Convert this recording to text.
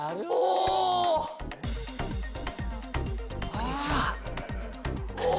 こんにちは。